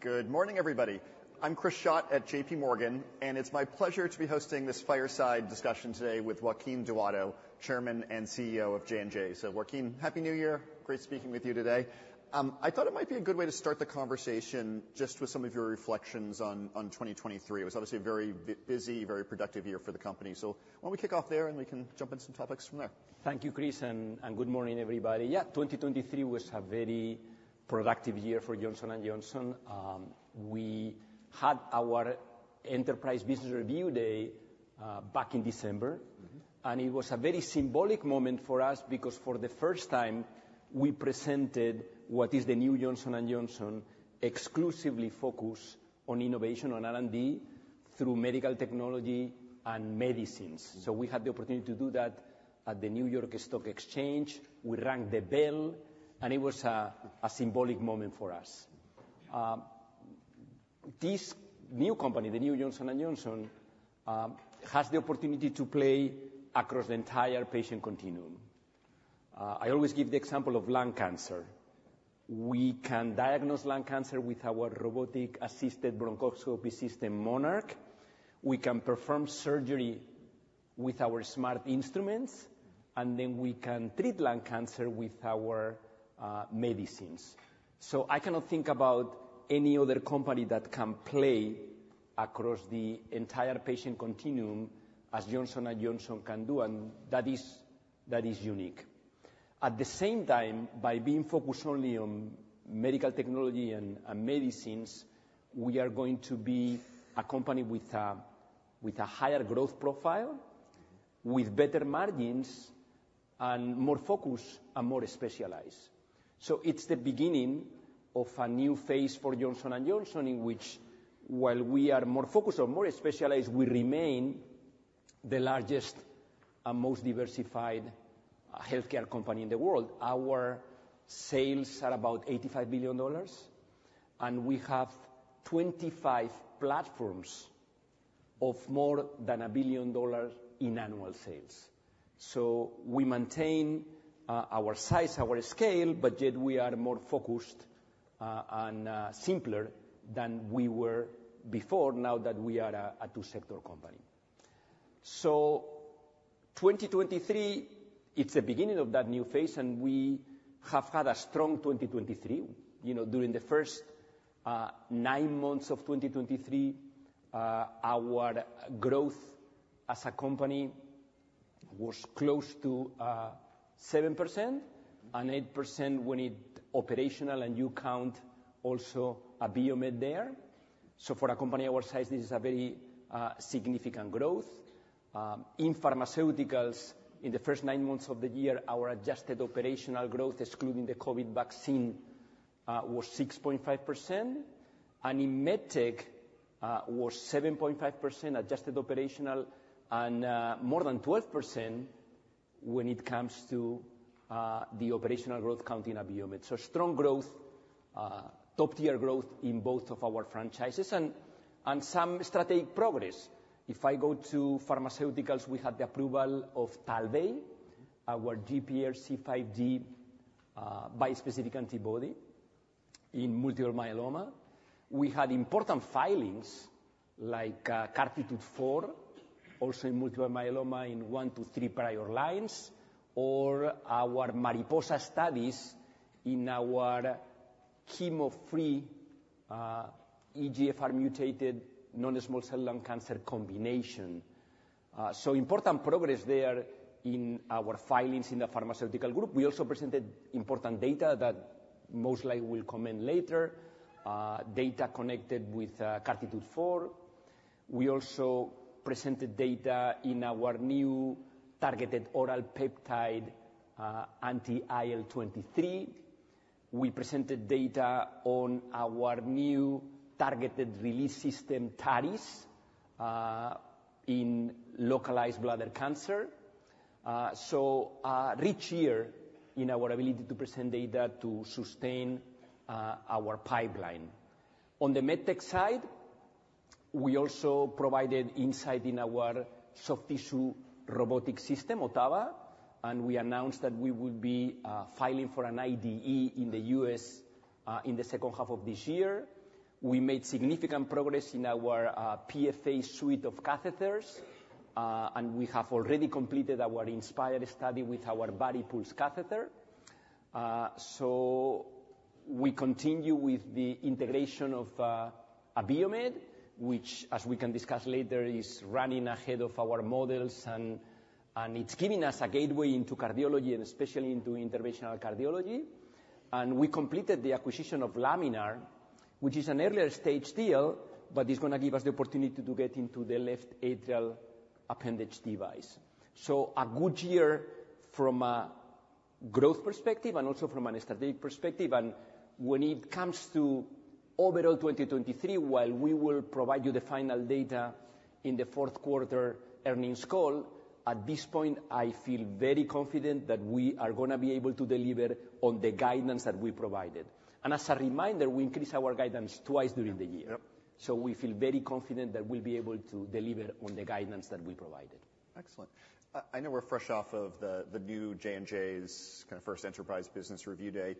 Good morning, everybody. I'm Chris Schott at J.P. Morgan, and it's my pleasure to be hosting this fireside discussion today with Joaquin Duato, Chairman and CEO of J&J. So Joaquin, Happy New Year! Great speaking with you today. I thought it might be a good way to start the conversation just with some of your reflections on, on 2023. It was obviously a very busy, very productive year for the company, so why don't we kick off there, and we can jump into some topics from there? Thank you, Chris, and good morning, everybody. Yeah, 2023 was a very productive year for Johnson & Johnson. We had our Enterprise Business Review day back in December. Mm-hmm. It was a very symbolic moment for us, because for the first time, we presented what is the new Johnson & Johnson, exclusively focused on innovation, on R&D, through medical technology and medicines. Mm-hmm. So we had the opportunity to do that at the New York Stock Exchange. We rang the bell, and it was a symbolic moment for us. This new company, the new Johnson & Johnson, has the opportunity to play across the entire patient continuum. I always give the example of lung cancer. We can diagnose lung cancer with our robotic-assisted bronchoscopy system, Monarch. We can perform surgery with our smart instruments, and then we can treat lung cancer with our medicines. So I cannot think about any other company that can play across the entire patient continuum as Johnson & Johnson can do, and that is unique. At the same time, by being focused only on medical technology and medicines, we are going to be a company with a higher growth profile. Mm-hmm ...with better margins and more focus and more specialized. So it's the beginning of a new phase for Johnson & Johnson, in which, while we are more focused or more specialized, we remain the largest and most diversified healthcare company in the world. Our sales are about $85 billion, and we have 25 platforms of more than $1 billion in annual sales. So we maintain our size, our scale, but yet we are more focused and simpler than we were before, now that we are a two-sector company. So 2023, it's the beginning of that new phase, and we have had a strong 2023. You know, during the first nine months of 2023, our growth as a company was close to 7%, and 8% when it operational, and you count also Abiomed there. So for a company our size, this is a very significant growth. In pharmaceuticals, in the first nine months of the year, our adjusted operational growth, excluding the COVID vaccine, was 6.5%, and in MedTech, was 7.5% adjusted operational, and more than 12% when it comes to the operational growth counting Abiomed. So strong growth, top-tier growth in both of our franchises and some strategic progress. If I go to pharmaceuticals, we had the approval of Talvey, our GPRC5D bispecific antibody in multiple myeloma. We had important filings, like CARTITUDE-4, also in multiple myeloma, in 1-3 prior lines, or our MARIPOSA studies in our chemo-free EGFR-mutated non-small cell lung cancer combination. So important progress there in our filings in the pharmaceutical group. We also presented important data that most likely we'll come in later, data connected with CARTITUDE-4. We also presented data in our new targeted oral peptide, anti-IL-23. We presented data on our new targeted release system, TARIS, in localized bladder cancer. So a rich year in our ability to present data to sustain our pipeline. On the MedTech side, we also provided insight in our soft tissue robotic system, OTTAVA, and we announced that we will be filing for an IDE in the U.S., in the second half of this year. We made significant progress in our PFA suite of catheters, and we have already completed our inspIRE study with our VARIPULSE catheter. So we continue with the integration of Abiomed, which, as we can discuss later, is running ahead of our models, and, and it's giving us a gateway into cardiology, and especially into interventional cardiology. We completed the acquisition of Laminar, which is an earlier stage still, but it's going to give us the opportunity to get into the left atrial appendage device. A good year from a growth perspective and also from a strategic perspective, and when it comes to overall 2023, while we will provide you the final data in the fourth quarter earnings call, at this point, I feel very confident that we are going to be able to deliver on the guidance that we provided. As a reminder, we increased our guidance twice during the year. So we feel very confident that we'll be able to deliver on the guidance that we provided. Excellent. I know we're fresh off of the new J&J's kind of first Enterprise Business Review day.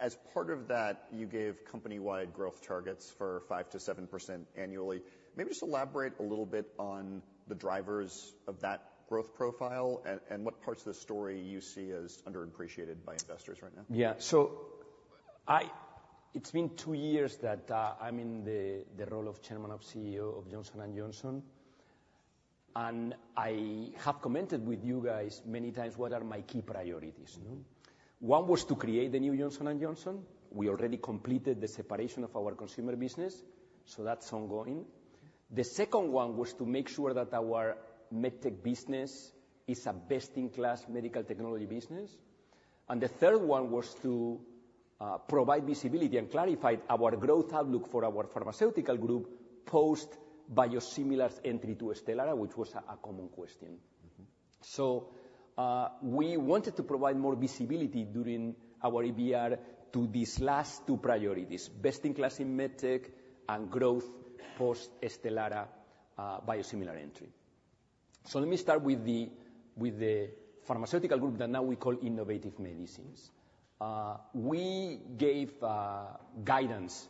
As part of that, you gave company-wide growth targets for 5%-7% annually. Maybe just elaborate a little bit on the drivers of that growth profile, and what parts of the story you see as underappreciated by investors right now? Yeah. So it's been two years that I'm in the role of Chairman and CEO of Johnson & Johnson, and I have commented with you guys many times, what are my key priorities, you know? One was to create the new Johnson & Johnson. We already completed the separation of our consumer business, so that's ongoing. The second one was to make sure that our MedTech business is a best-in-class medical technology business. And the third one was to provide visibility and clarify our growth outlook for our pharmaceutical group, post-biosimilars entry to Stelara, which was a common question. Mm-hmm. So, we wanted to provide more visibility during our EBR to these last two priorities: best-in-class in MedTech and growth post-Stelara, biosimilar entry. So let me start with the pharmaceutical group that now we call Innovative Medicines. We gave guidance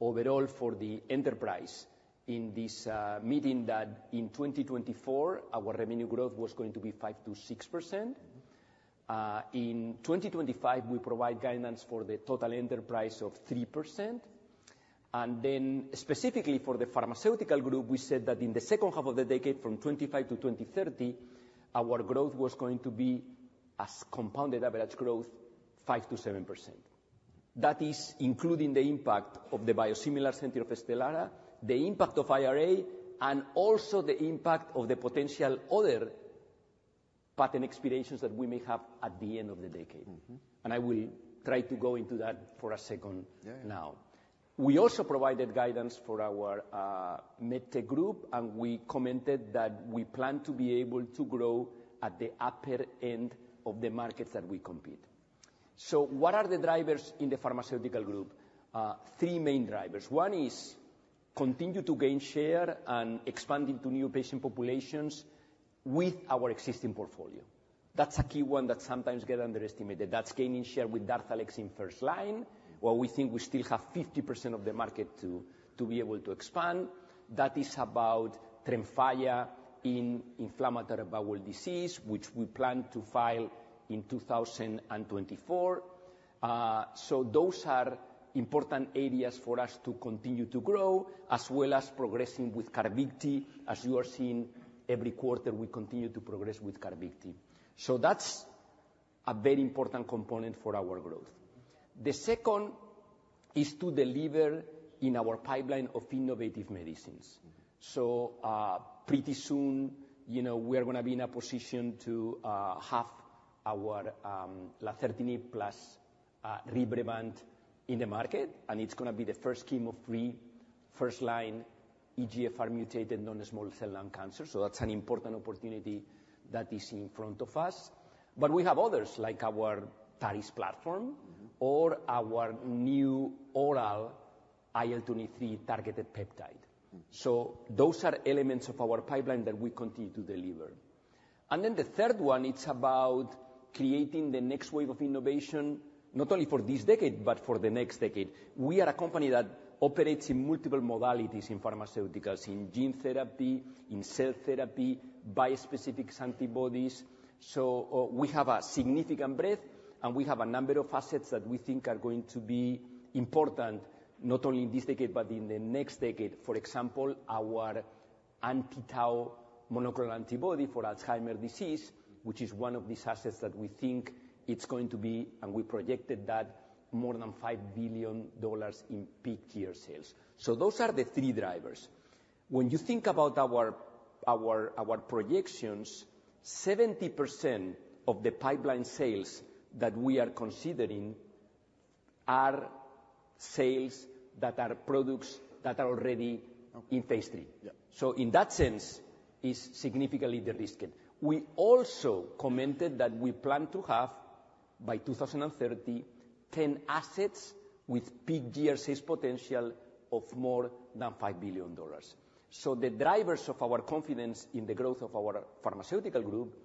overall for the enterprise in this meeting that in 2024, our revenue growth was going to be 5%-6%. In 2025, we provide guidance for the total enterprise of 3%, and then specifically for the pharmaceutical group, we said that in the second half of the decade, from 2025-2030, our growth was going to be, as compounded average growth, 5%-7%. That is including the impact of the biosimilar entry of Stelara, the impact of IRA, and also the impact of the potential other patent expirations that we may have at the end of the decade. Mm-hmm. I will try to go into that for a second- Yeah, yeah. Now. We also provided guidance for our MedTech group, and we commented that we plan to be able to grow at the upper end of the markets that we compete. So what are the drivers in the pharmaceutical group? Three main drivers. One is continue to gain share and expand into new patient populations with our existing portfolio. That's a key one that sometimes get underestimated. That's gaining share with Darzalex in first line- Mm-hmm. where we think we still have 50% of the market to be able to expand. That is about Tremfya in inflammatory bowel disease, which we plan to file in 2024. So those are important areas for us to continue to grow, as well as progressing with Carvykti. As you are seeing every quarter, we continue to progress with Carvykti. So that's a very important component for our growth. The second is to deliver in our pipeline of innovative medicines. Mm-hmm. So, pretty soon, you know, we are gonna be in a position to have our lazertinib plus Rybrevant in the market, and it's gonna be the first chemo-free first-line EGFR-mutated non-small cell lung cancer. So that's an important opportunity that is in front of us. But we have others, like our TARIS platform- Mm-hmm. for our new oral IL-23 targeted peptide. Mm. So those are elements of our pipeline that we continue to deliver. And then the third one, it's about creating the next wave of innovation, not only for this decade, but for the next decade. We are a company that operates in multiple modalities in pharmaceuticals, in gene therapy, in cell therapy, bispecific antibodies. So, we have a significant breadth, and we have a number of assets that we think are going to be important, not only in this decade, but in the next decade. For example, our anti-tau monoclonal antibody for Alzheimer disease, which is one of these assets that we think it's going to be... And we projected that more than $5 billion in peak year sales. So those are the three drivers. When you think about our projections, 70% of the pipeline sales that we are considering are sales that are products that are already- Okay. in phase three. Yeah. So in that sense, it's significantly de-risked. We also commented that we plan to have, by 2030, 10 assets with peak year sales potential of more than $5 billion. So the drivers of our confidence in the growth of our pharmaceutical group,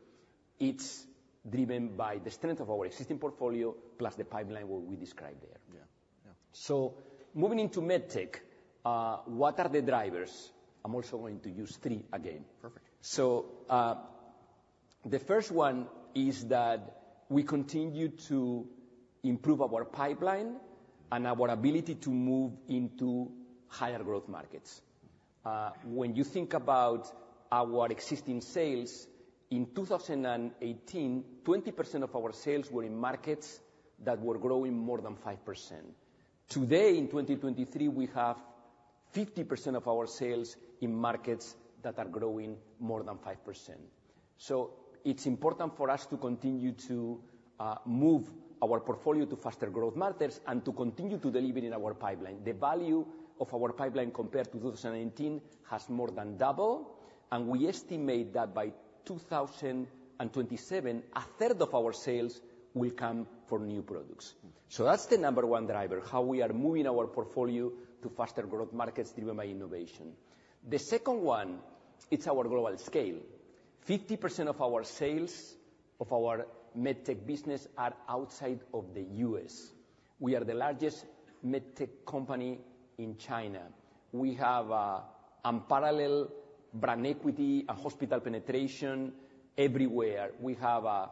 it's driven by the strength of our existing portfolio plus the pipeline, what we described there. Yeah. Yeah. So moving into MedTech, what are the drivers? I'm also going to use three again. Perfect. So, the first one is that we continue to improve our pipeline and our ability to move into higher growth markets. When you think about our existing sales, in 2018, 20% of our sales were in markets that were growing more than 5%. Today, in 2023, we have 50% of our sales in markets that are growing more than 5%. So it's important for us to continue to move our portfolio to faster growth markets and to continue to deliver in our pipeline. The value of our pipeline, compared to 2018, has more than double, and we estimate that by 2027, a third of our sales will come from new products. Mm. So that's the number one driver, how we are moving our portfolio to faster growth markets driven by innovation. The second one, it's our global scale.... 50% of our sales, of our MedTech business, are outside of the U.S. We are the largest MedTech company in China. We have unparalleled brand equity and hospital penetration everywhere. We have a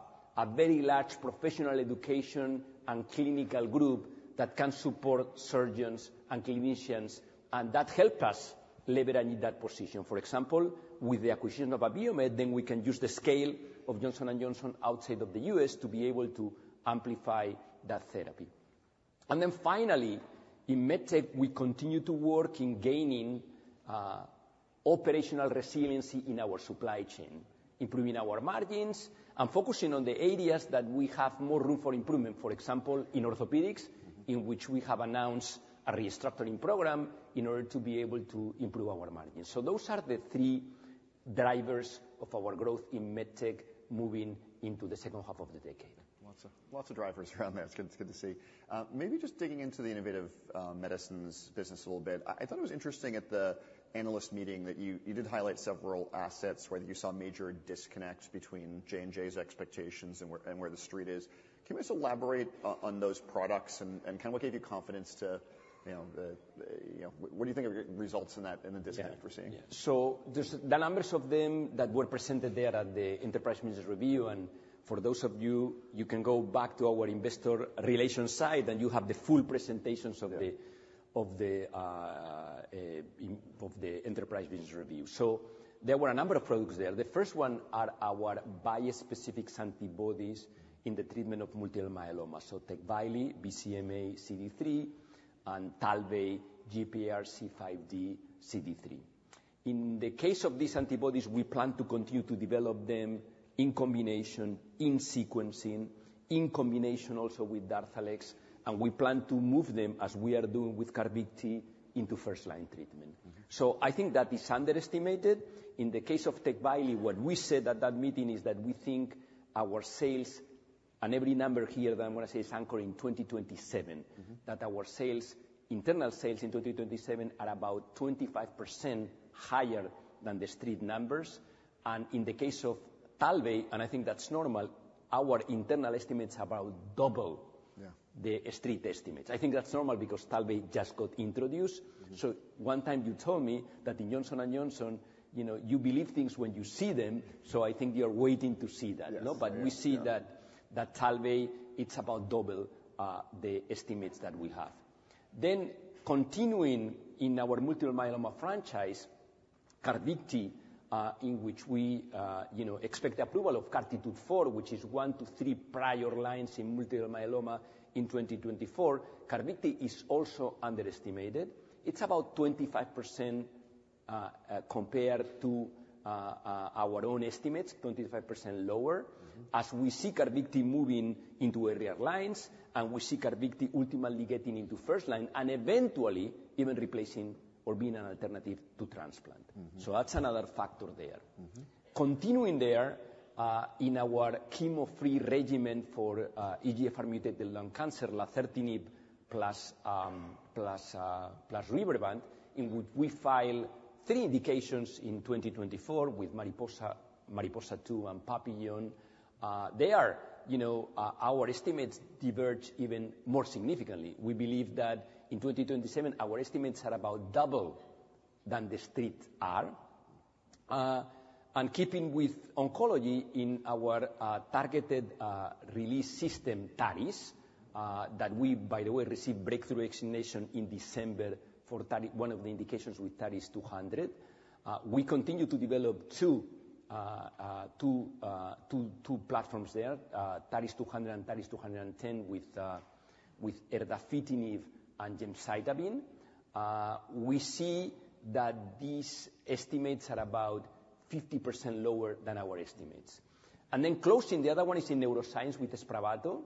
very large professional education and clinical group that can support surgeons and clinicians, and that helped us lever in that position. For example, with the acquisition of Abiomed, then we can use the scale of Johnson & Johnson outside of the U.S. to be able to amplify that therapy. And then finally, in MedTech, we continue to work in gaining operational resiliency in our supply chain, improving our margins, and focusing on the areas that we have more room for improvement. For example, in orthopedics, in which we have announced a restructuring program in order to be able to improve our margins. So those are the three drivers of our growth in MedTech moving into the second half of the decade. Lots of, lots of drivers around there. It's good, good to see. Maybe just digging into the innovative medicines business a little bit. I thought it was interesting at the analyst meeting that you did highlight several assets where you saw a major disconnect between J&J's expectations and where the Street is. Can you just elaborate on those products and kind of what gave you confidence to, you know, what do you think of your results in that, in the disconnect we're seeing? Yeah. So there's the numbers of them that were presented there at the Enterprise Business Review, and for those of you, you can go back to our investor relations site, and you have the full presentations- Yeah... of the Enterprise Business Review. So there were a number of products there. The first one are our bispecific antibodies in the treatment of multiple myeloma. So Tecvayli, BCMA CD3, and Talvey, GPRC5D CD3. In the case of these antibodies, we plan to continue to develop them in combination, in sequencing, in combination also with Darzalex, and we plan to move them, as we are doing with Carvykti, into first-line treatment. Mm-hmm. I think that is underestimated. In the case of Tecvayli, what we said at that meeting is that we think our sales, and every number here that I'm gonna say is anchored in 2027- Mm-hmm... that our sales, internal sales in 2027 are about 25% higher than the Street numbers. And in the case of Talvey, and I think that's normal, our internal estimates are about double- Yeah... the Street estimates. I think that's normal, because Talvey just got introduced. Mm-hmm. So one time you told me that in Johnson & Johnson, you know, you believe things when you see them, so I think you're waiting to see that. Yes. You know? Yeah. But we see that Talvey, it's about double the estimates that we have. Then, continuing in our multiple myeloma franchise, Carvykti, in which we, you know, expect approval of CARTITUDE-4, which is one to three prior lines in multiple myeloma in 2024, Carvykti is also underestimated. It's about 25%, compared to our own estimates, 25% lower. Mm-hmm. As we see Carvykti moving into earlier lines, and we see Carvykti ultimately getting into first line, and eventually even replacing or being an alternative to transplant. Mm-hmm. That's another factor there. Mm-hmm. Continuing there, in our chemo-free regimen for EGFR mutated lung cancer, lazertinib plus Rybrevant, in which we file three indications in 2024 with MARIPOSA, MARIPOSA-2, and PAPILLON. They are, you know... Our estimates diverge even more significantly. We believe that in 2027, our estimates are about double than the Street are. And keeping with oncology in our targeted release system, TARIS, that we, by the way, received breakthrough designation in December for TARIS- one of the indications with TARIS-200. We continue to develop two platforms there, TARIS-200 and TARIS-210, with erdafitinib and gemcitabine. We see that these estimates are about 50% lower than our estimates. And then, closing, the other one is in neuroscience with Spravato-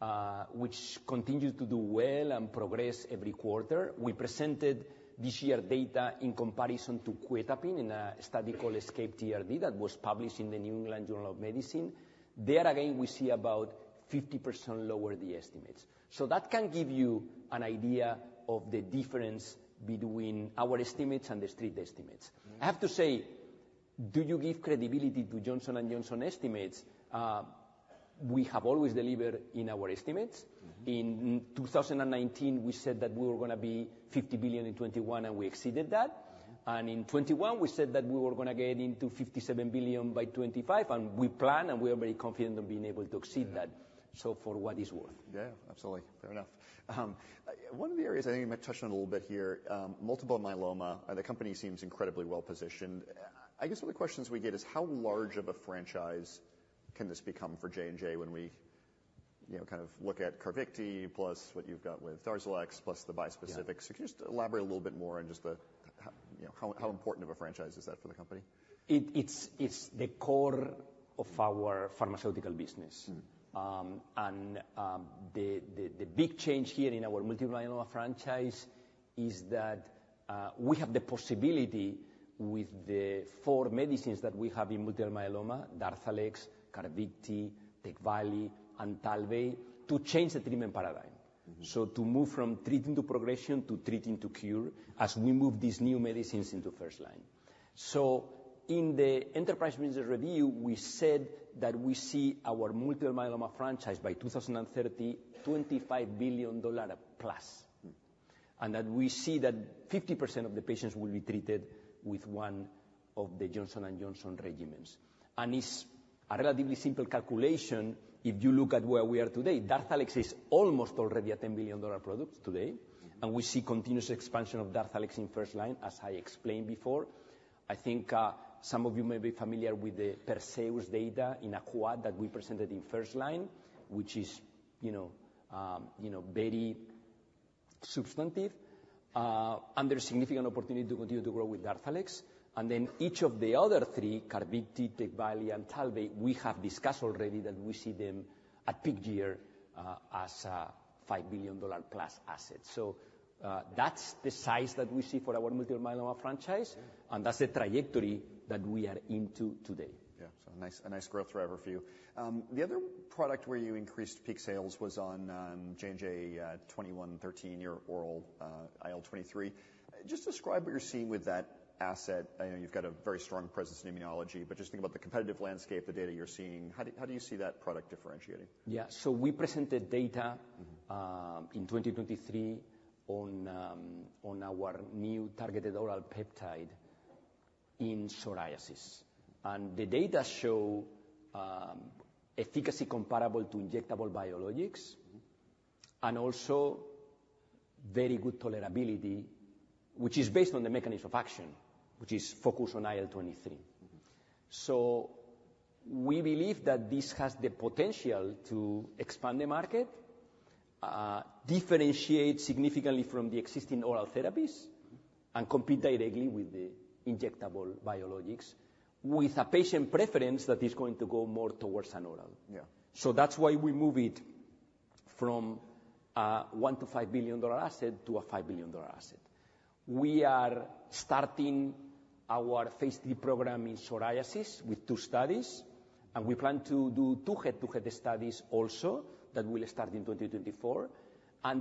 Mm-hmm... which continues to do well and progress every quarter. We presented this year data in comparison to ketamine in a study called ESCAPE-TRD, that was published in the New England Journal of Medicine. There again, we see about 50% lower the estimates. So that can give you an idea of the difference between our estimates and the Street estimates. Mm. I have to say, do you give credibility to Johnson & Johnson estimates? We have always delivered in our estimates. Mm-hmm. In 2019, we said that we were gonna be $50 billion in 2021, and we exceeded that. Mm. In 2021, we said that we were gonna get into $57 billion by 2025, and we plan, and we are very confident of being able to exceed that. Yeah. So, for what it's worth? Yeah, absolutely. Fair enough. One of the areas, I think you might touch on a little bit here, multiple myeloma, and the company seems incredibly well-positioned. I guess one of the questions we get is, how large of a franchise can this become for J&J when we, you know, kind of look at Carvykti plus what you've got with Darzalex, plus the bispecifics? Yeah. Can you just elaborate a little bit more on just the, you know, how, how important of a franchise is that for the company? It's the core of our pharmaceutical business. Mm-hmm. The big change here in our multiple myeloma franchise is that we have the possibility with the four medicines that we have in multiple myeloma: Darzalex, Carvykti, Tecvayli, and Talvey, to change the treatment paradigm. So to move from treating to progression, to treating to cure, as we move these new medicines into first line. In the Enterprise Business Review, we said that we see our multiple myeloma franchise by 2030, $25 billion plus. That we see that 50% of the patients will be treated with one of the Johnson & Johnson regimens. It's a relatively simple calculation if you look at where we are today. Darzalex is almost already a $10 billion product today, and we see continuous expansion of Darzalex in first line, as I explained before. I think, some of you may be familiar with the PERSEUS data in a quad that we presented in first line, which is, you know, you know, very substantive. And there's significant opportunity to continue to grow with Darzalex. And then each of the other three, Carvykti, Tecvayli, and Talvey, we have discussed already that we see them at peak year, as a $5 billion plus asset. So, that's the size that we see for our multiple myeloma franchise, and that's the trajectory that we are into today. Yeah. So a nice, a nice growth driver for you. The other product where you increased peak sales was on JNJ-2113, your oral IL-23. Just describe what you're seeing with that asset. I know you've got a very strong presence in immunology, but just think about the competitive landscape, the data you're seeing. How do you see that product differentiating? Yeah. So we presented data in 2023 on our new targeted oral peptide in psoriasis. And the data show efficacy comparable to injectable biologics- Mm-hmm. And also very good tolerability, which is based on the mechanism of action, which is focused on IL-23. Mm-hmm. So we believe that this has the potential to expand the market, differentiate significantly from the existing oral therapies, and compete directly with the injectable biologics, with a patient preference that is going to go more towards an oral. Yeah. That's why we move it from a $1 billion-$5 billion asset to a $5 billion asset. We are starting our phase 3 program in psoriasis with two studies, and we plan to do two head-to-head studies also that will start in 2024.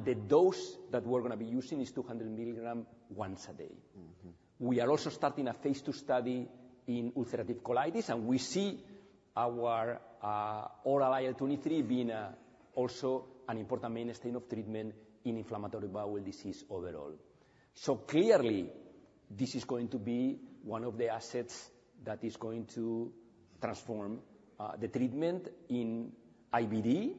The dose that we're gonna be using is 200 milligrams once a day. Mm-hmm. We are also starting a phase two study in ulcerative colitis, and we see our oral IL-23 being also an important mainstay of treatment in inflammatory bowel disease overall. So clearly, this is going to be one of the assets that is going to transform the treatment in IBD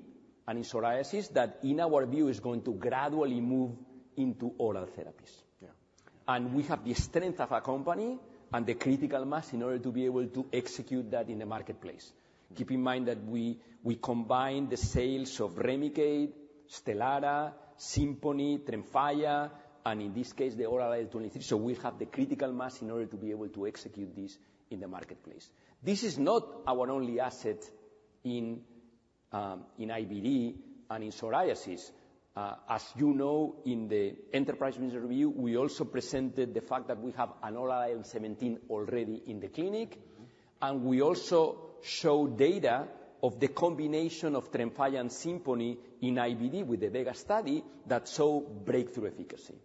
and in psoriasis, that in our view, is going to gradually move into oral therapies. Yeah. We have the strength of our company and the critical mass in order to be able to execute that in the marketplace. Keep in mind that we, we combine the sales of Remicade, Stelara, Simponi, Tremfya, and in this case, the oral IL-23. So we have the critical mass in order to be able to execute this in the marketplace. This is not our only asset in in IBD and in psoriasis. As you know, in the Enterprise Business Review, we also presented the fact that we have an oral IL-17 already in the clinic. Mm-hmm. And we also show data of the combination of Tremfya and Simponi in IBD with the VEGA study that saw breakthrough efficacy.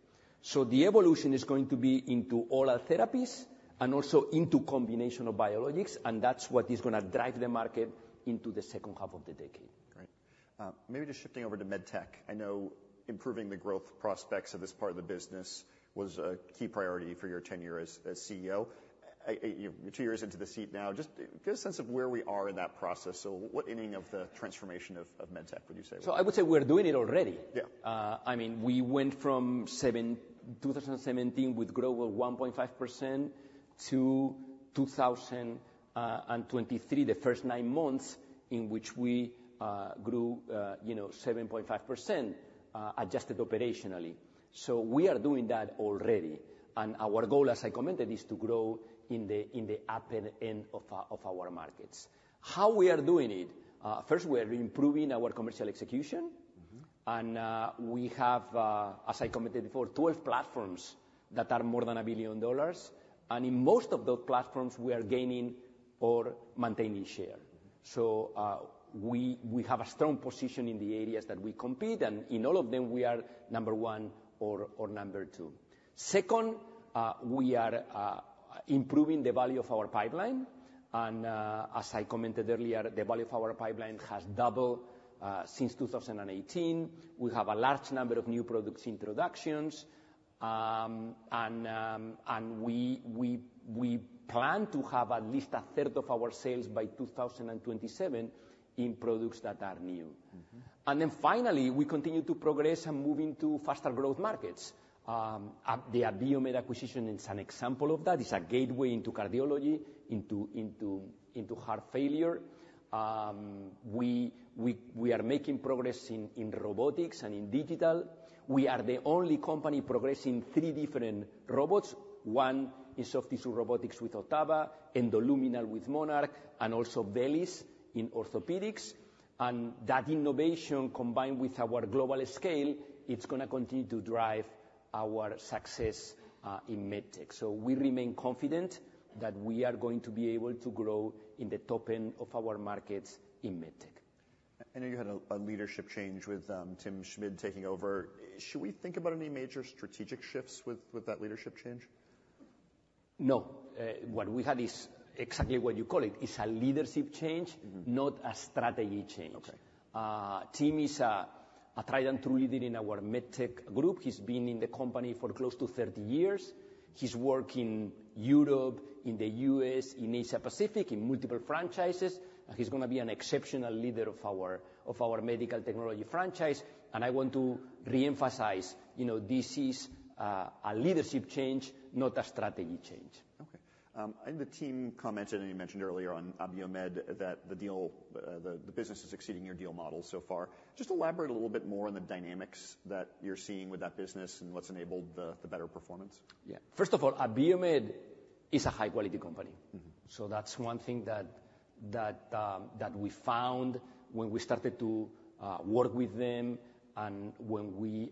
So the evolution is going to be into oral therapies and also into combination of biologics, and that's what is gonna drive the market into the second half of the decade. Great. Maybe just shifting over to MedTech. I know improving the growth prospects of this part of the business was a key priority for your tenure as CEO. You know, you're two years into the seat now, just get a sense of where we are in that process. So what inning of the transformation of MedTech would you say we're in? I would say we're doing it already. Yeah. I mean, we went from 2017 with global 1.5% to 2023, the first nine months, in which we grew, you know, 7.5% adjusted operationally. So we are doing that already, and our goal, as I commented, is to grow in the upper end of our markets. How we are doing it? First, we are improving our commercial execution. Mm-hmm. We have, as I commented before, 12 platforms that are more than $1 billion, and in most of those platforms, we are gaining or maintaining share. So, we have a strong position in the areas that we compete, and in all of them, we are number one or number two. Second, we are improving the value of our pipeline. And, as I commented earlier, the value of our pipeline has doubled since 2018. We have a large number of new product introductions. And we plan to have at least a third of our sales by 2027 in products that are new. Mm-hmm. Then finally, we continue to progress and move into faster growth markets. The Abiomed acquisition is an example of that. It's a gateway into cardiology, into heart failure. We are making progress in robotics and in digital. We are the only company progressing three different robots. One is soft tissue robotics with OTTAVA, endoluminal with Monarch, and also VELYS in orthopedics. And that innovation, combined with our global scale, it's gonna continue to drive our success in MedTech. So we remain confident that we are going to be able to grow in the top end of our markets in MedTech. I know you had a leadership change with Tim Schmid taking over. Should we think about any major strategic shifts with that leadership change?... No, what we have is exactly what you call it. It's a leadership change, not a strategy change. Okay. Tim is a tried and true leader in our MedTech group. He's been in the company for close to 30 years. He's worked in Europe, in the U.S., in Asia Pacific, in multiple franchises. He's gonna be an exceptional leader of our medical technology franchise, and I want to reemphasize, you know, this is a leadership change, not a strategy change. Okay. I think the team commented, and you mentioned earlier on Abiomed, that the deal, the business is exceeding your deal model so far. Just elaborate a little bit more on the dynamics that you're seeing with that business, and what's enabled the better performance. Yeah. First of all, Abiomed is a high-quality company. Mm-hmm. So that's one thing that we found when we started to work with them and when we,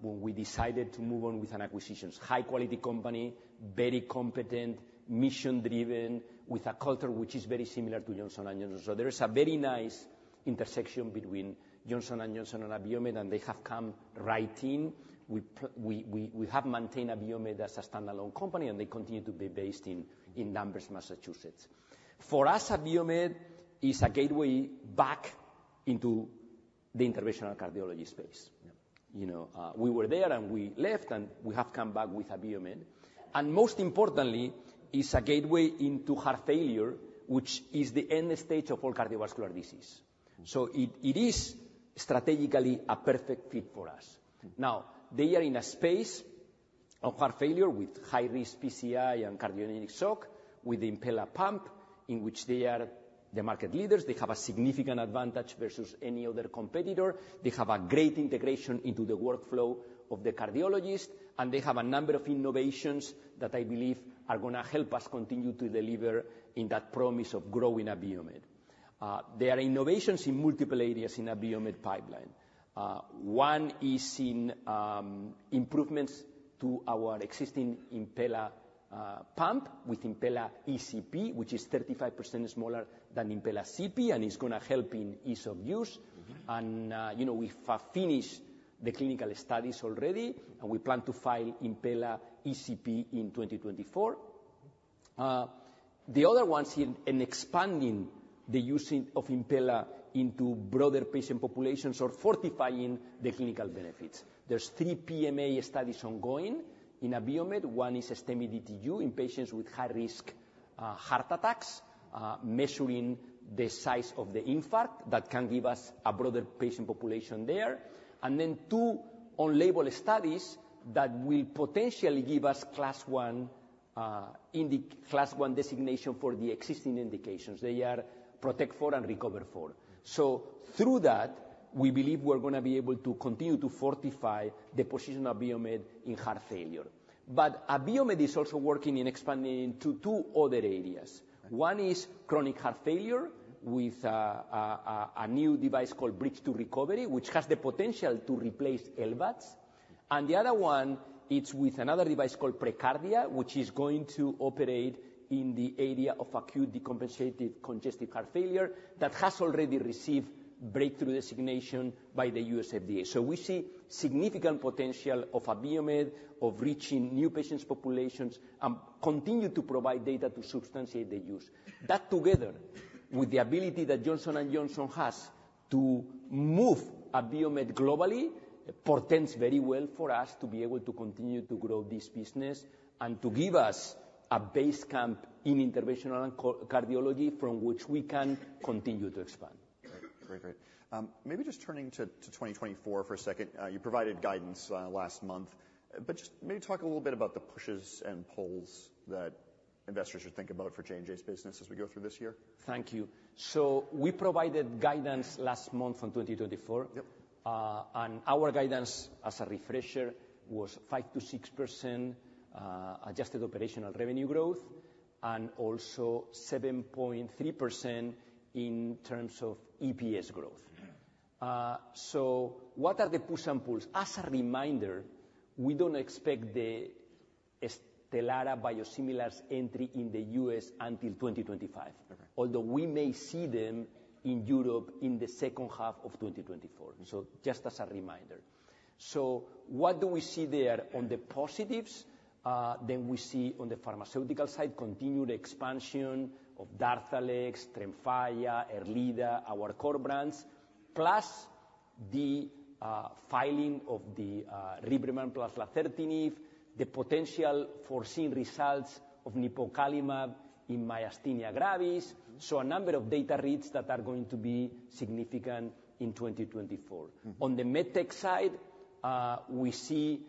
when we decided to move on with an acquisition. High-quality company, very competent, mission-driven, with a culture which is very similar to Johnson & Johnson. So there is a very nice intersection between Johnson & Johnson and Abiomed, and they have come right in. We have maintained Abiomed as a standalone company, and they continue to be based in Danvers, Massachusetts. For us, Abiomed is a gateway back into the interventional cardiology space. Yeah. You know, we were there, and we left, and we have come back with Abiomed. Most importantly, it's a gateway into heart failure, which is the end stage of all cardiovascular disease. Mm. So it is strategically a perfect fit for us. Mm-hmm. Now, they are in a space of heart failure with high-risk PCI and cardiogenic shock, with Impella pump, in which they are the market leaders. They have a significant advantage versus any other competitor. They have a great integration into the workflow of the cardiologist, and they have a number of innovations that I believe are gonna help us continue to deliver in that promise of growing Abiomed. There are innovations in multiple areas in Abiomed pipeline. One is in improvements to our existing Impella pump, with Impella ECP, which is 35% smaller than Impella CP, and it's gonna help in ease of use. Mm-hmm. You know, we have finished the clinical studies already, and we plan to file Impella ECP in 2024. The other one's in expanding the using of Impella into broader patient populations or fortifying the clinical benefits. There are three PMA studies ongoing in Abiomed. One is a STEMI DTU in patients with high-risk heart attacks, measuring the size of the infarct that can give us a broader patient population there. And then two on-label studies that will potentially give us Class I in the Class I designation for the existing indications. They are PROTECT IV and RECOVER IV. Mm. So through that, we believe we're gonna be able to continue to fortify the position of Abiomed in heart failure. But Abiomed is also working in expanding into two other areas. Right. One is chronic heart failure, with a new device called Bridge to Recovery, which has the potential to replace LVADs. And the other one, it's with another device called PreCardia, which is going to operate in the area of acute decompensated congestive heart failure, that has already received breakthrough designation by the U.S. FDA. So we see significant potential of Abiomed, of reaching new patient populations, and continue to provide data to substantiate the use. That together, with the ability that Johnson & Johnson has to move Abiomed globally, portends very well for us to be able to continue to grow this business, and to give us a base camp in interventional and cardiology, from which we can continue to expand. Great. Great, great. Maybe just turning to 2024 for a second. You provided guidance last month, but just maybe talk a little bit about the pushes and pulls that investors should think about for J&J's business as we go through this year? Thank you. We provided guidance last month on 2024. Yep. Our guidance, as a refresher, was 5%-6% adjusted operational revenue growth, and also 7.3% in terms of EPS growth. Mm. What are the push and pulls? As a reminder, we don't expect the Stelara biosimilars entry in the U.S. until 2025. Okay. Although we may see them in Europe in the second half of 2024. So just as a reminder. So what do we see there on the positives? Then we see on the pharmaceutical side, continued expansion of Darzalex, Tremfya, Erleada, our core brands, plus the filing of the Rybrevant plus lazertinib, the potential foreseen results of nipocalimab in myasthenia gravis. Mm. A number of data reads that are going to be significant in 2024. Mm. On the MedTech side, we see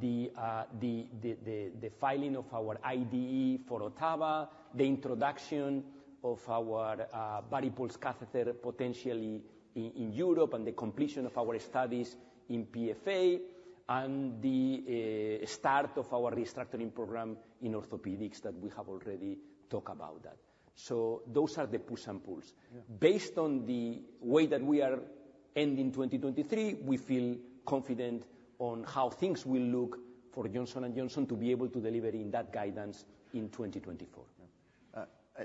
the filing of our IDE for OTTAVA, the introduction of our VARIPULSE catheter, potentially in Europe, and the completion of our studies in PFA, and the start of our restructuring program in orthopedics, that we have already talked about. So those are the push and pulls. Yeah. Based on the way that we are ending 2023, we feel confident on how things will look for Johnson & Johnson to be able to deliver in that guidance in 2024.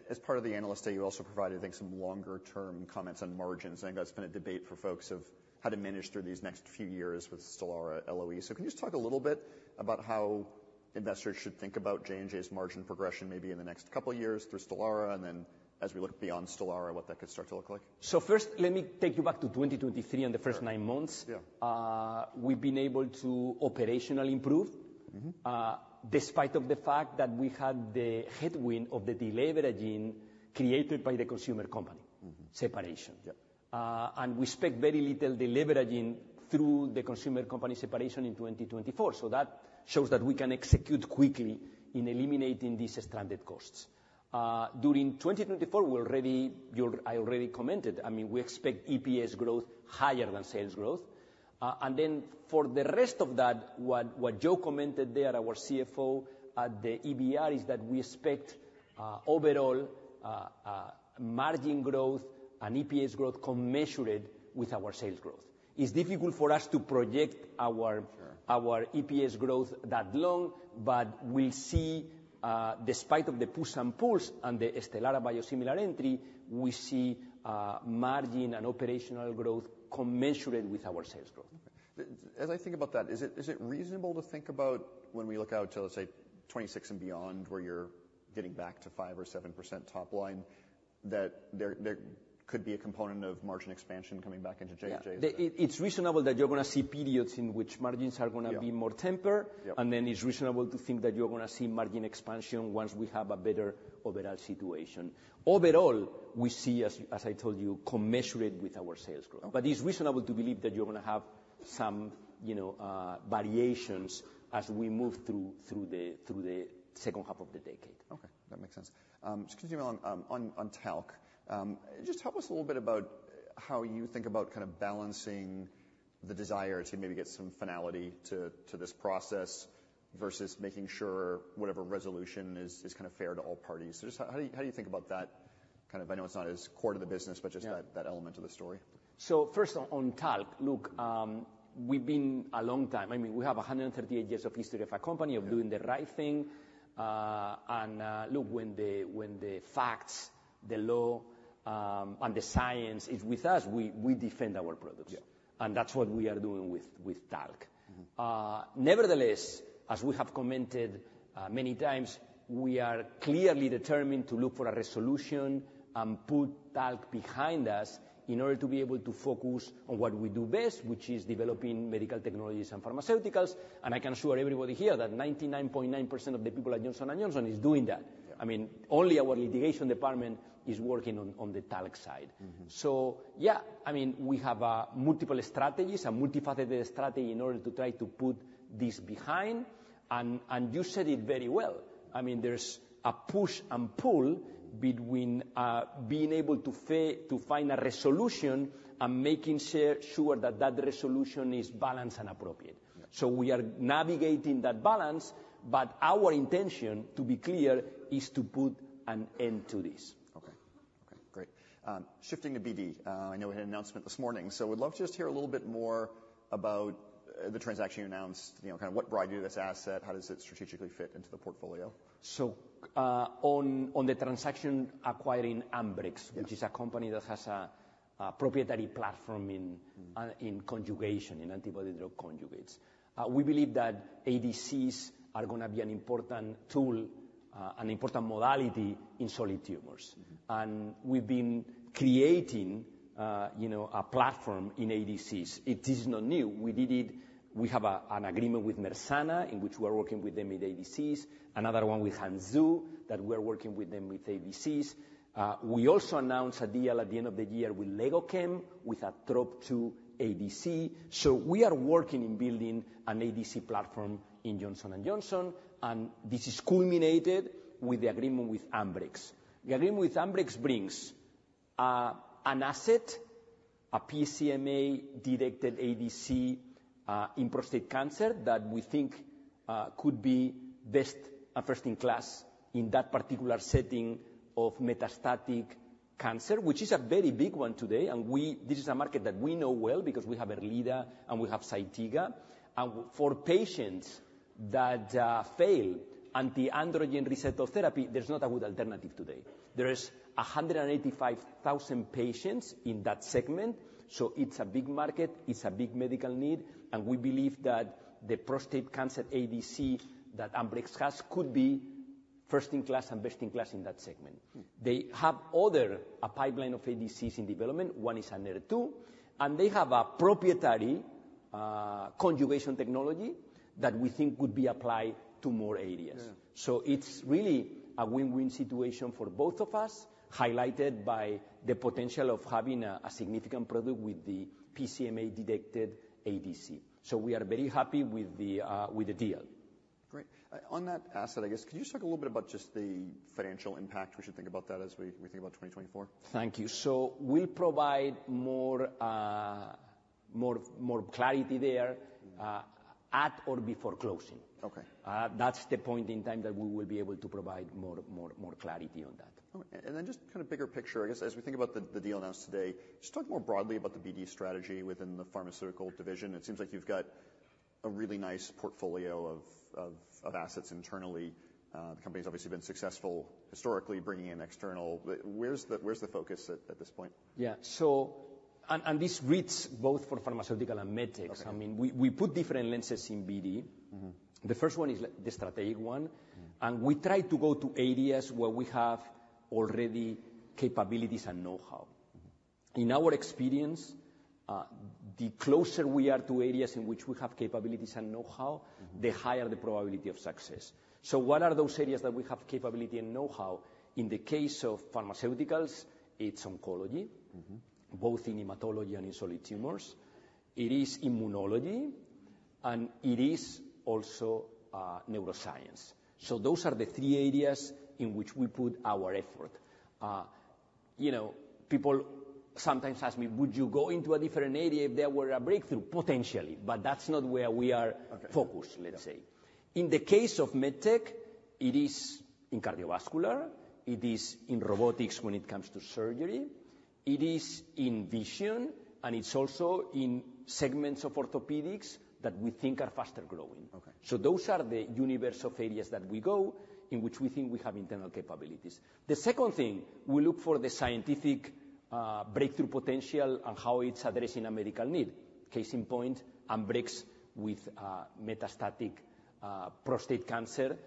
As part of the analyst today, you also provided, I think, some longer-term comments on margins, and that's been a debate for folks of how to manage through these next few years with Stelara LOE. So can you just talk a little bit about how investors should think about J&J's margin progression, maybe in the next couple of years through Stelara, and then as we look beyond Stelara, what that could start to look like? First, let me take you back to 2023 and the first nine months. Yeah. We've been able to operationally improve- Mm-hmm. despite of the fact that we had the headwind of the deleveraging created by the consumer company- Mm-hmm. -separation. Yeah. And we expect very little deleveraging through the consumer company separation in 2024. So that shows that we can execute quickly in eliminating these stranded costs. During 2024, we already... I already commented, I mean, we expect EPS growth higher than sales growth, and then for the rest of that, what, what Joe commented there, our CFO, at the EBR, is that we expect, overall, margin growth and EPS growth commensurate with our sales growth. It's difficult for us to project our- Sure. -our EPS growth that long, but we see, despite of the push and pulls and the Stelara biosimilar entry, we see margin and operational growth commensurate with our sales growth. As I think about that, is it, is it reasonable to think about when we look out to, let's say, 2026 and beyond, where you're getting back to 5% or 7% top line, that there, there could be a component of margin expansion coming back into J&J? Yeah. It's reasonable that you're going to see periods in which margins are gonna- Yeah. Be more tempered. Yeah. Then it's reasonable to think that you're going to see margin expansion once we have a better overall situation. Overall, we see, as I told you, commensurate with our sales growth. Okay. But it's reasonable to believe that you're going to have some, you know, variations as we move through the second half of the decade. Okay, that makes sense. Just continuing on talc. Just help us a little bit about how you think about kind of balancing the desire to maybe get some finality to this process versus making sure whatever resolution is kind of fair to all parties. So just how do you think about that? Kind of, I know it's not as core to the business- Yeah. But just that, that element of the story. So first on talc. Look, we've been a long time. I mean, we have 138 years of history of our company- Yeah -of doing the right thing. Look, when the, when the facts, the law, and the science is with us, we, we defend our products. Yeah. That's what we are doing with Talvey. Mm-hmm. Nevertheless, as we have commented, many times, we are clearly determined to look for a resolution and put talc behind us in order to be able to focus on what we do best, which is developing medical technologies and pharmaceuticals. I can assure everybody here that 99.9% of the people at Johnson & Johnson is doing that. Yeah. I mean, only our litigation department is working on the talc side. Mm-hmm. So yeah, I mean, we have multiple strategies, a multifaceted strategy, in order to try to put this behind. And you said it very well, I mean, there's a push and pull between being able to to find a resolution and making sure that resolution is balanced and appropriate. Yeah. We are navigating that balance, but our intention, to be clear, is to put an end to this. Okay. Okay, great. Shifting to BD. I know we had an announcement this morning, so would love to just hear a little bit more about the transaction you announced. You know, kind of what brought you to this asset? How does it strategically fit into the portfolio? So, on the transaction, acquiring Ambrx- Yeah... which is a company that has a proprietary platform in conjugation in antibody-drug conjugates. We believe that ADCs are going to be an important tool, an important modality in solid tumors. Mm-hmm. And we've been creating, you know, a platform in ADCs. It is not new. We did it. We have a, an agreement with Mersana, in which we are working with them in ADCs, another one with Hangzhou, that we're working with them with ADCs. We also announced a deal at the end of the year with LegoChem, with a Trop-2 ADC. So we are working in building an ADC platform in Johnson & Johnson, and this is culminated with the agreement with Ambrx. The agreement with Ambrx brings, an asset, a PSMA-directed ADC, in prostate cancer, that we think, could be best, a first-in-class in that particular setting of metastatic cancer, which is a very big one today. And we this is a market that we know well because we have Erleada and we have Zytiga. For patients that failed anti-androgen receptor therapy, there's not a good alternative today. There is 185,000 patients in that segment, so it's a big market, it's a big medical need, and we believe that the prostate cancer ADC that Ambrx has could be first in class and best in class in that segment. Mm. They have other, a pipeline of ADCs in development. One is a HER2, and they have a proprietary, conjugation technology that we think could be applied to more areas. Yeah. So it's really a win-win situation for both of us, highlighted by the potential of having a significant product with the PSMA-directed ADC. So we are very happy with the deal. Great. On that asset, I guess, could you just talk a little bit about just the financial impact? We should think about that as we think about 2024. Thank you. So we'll provide more clarity there, at or before closing. Okay. That's the point in time that we will be able to provide more clarity on that. Okay. Then just kind of bigger picture, I guess, as we think about the deal announced today, just talk more broadly about the BD strategy within the pharmaceutical division. It seems like you've got a really nice portfolio of assets internally. The company's obviously been successful historically, bringing in external. But where's the focus at this point? Yeah. So, this reads both for Pharmaceutical and MedTech. Okay. I mean, we put different lenses in BD. Mm-hmm. The first one is the strategic one. Mm. We try to go to areas where we have already capabilities and know-how. In our experience, the closer we are to areas in which we have capabilities and know-how- Mm The higher the probability of success. So what are those areas that we have capability and know-how? In the case of pharmaceuticals, it's oncology. Mm-hmm. Both in hematology and in solid tumors. It is immunology, and it is also neuroscience. So those are the three areas in which we put our effort. You know, people sometimes ask me: "Would you go into a different area if there were a breakthrough?" Potentially, but that's not where we are- Okay... focused, let's say. Okay. In the case of MedTech, it is in cardiovascular, it is in robotics when it comes to surgery, it is in vision, and it's also in segments of orthopedics that we think are faster growing. Okay. So those are the universe of areas that we go, in which we think we have internal capabilities. The second thing, we look for the scientific, breakthrough potential and how it's addressing a medical need. Case in point, Ambrx, with, metastatic, prostate cancer,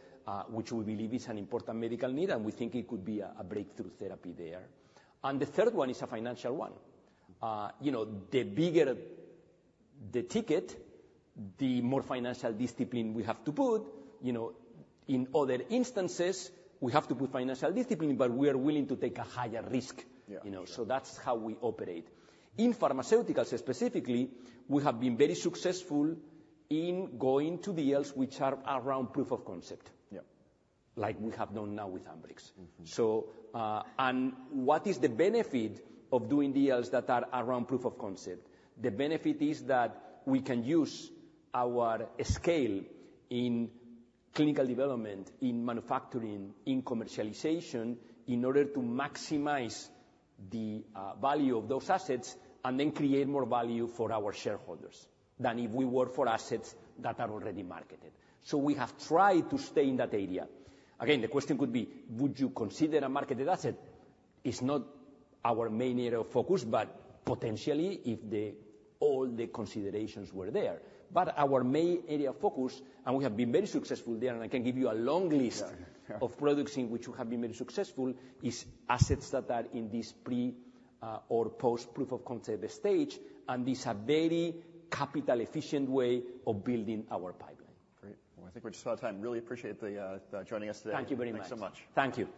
which we believe is an important medical need, and we think it could be a, a breakthrough therapy there. And the third one is a financial one. You know, the bigger the ticket, the more financial discipline we have to put. You know, in other instances, we have to put financial discipline, but we are willing to take a higher risk. Yeah. You know, so that's how we operate. In pharmaceuticals, specifically, we have been very successful in going to deals which are around proof of concept- Yeah like we have done now with Ambrx. Mm-hmm. So, and what is the benefit of doing deals that are around proof of concept? The benefit is that we can use our scale in clinical development, in manufacturing, in commercialization, in order to maximize the value of those assets, and then create more value for our shareholders, than if we were for assets that are already marketed. So we have tried to stay in that area. Again, the question could be: Would you consider a marketed asset? It's not our main area of focus, but potentially, if the all the considerations were there. But our main area of focus, and we have been very successful there, and I can give you a long list- Yeah. -of products in which we have been very successful, is assets that are in this pre- or post-proof of concept stage, and it's a very capital efficient way of building our pipeline. Great. Well, I think we're just about out of time. Really appreciate the joining us today. Thank you very much. Thanks so much. Thank you.